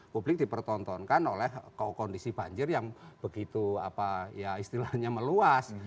publik dipertontonkan oleh kondisi banjir yang begitu apa ya istilahnya meluas